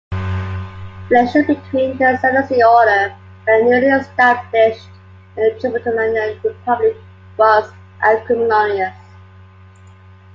Relations between the Senussi Order and the newly established Tripolitanian Republic were acrimonious.